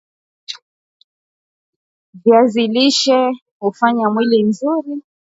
viazi lishe hufanya yafuatayo mwilini mwa mwanadam